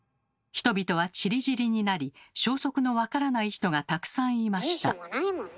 人々はちりぢりになり消息の分からない人がたくさんいました。